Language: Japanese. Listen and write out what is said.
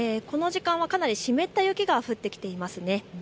この時間、かなり湿った雪が降ってきています。